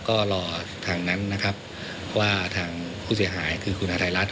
ก็รอทางนั้นนะครับว่าทางผู้เสียหายคือคุณฮาไทยรัฐ